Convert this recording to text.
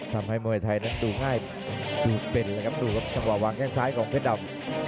ทำให้มวยไทยนั้นดูง่ายดูเป็นเลยครับดูครับจังหวะวางแข้งซ้ายของเพชรดำ